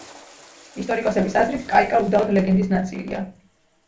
ისტორიკოსების აზრით კაიკა უდაოდ ლეგენდის ნაწილია.